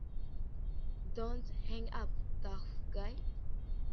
Don't Hang Up, Tough Guy!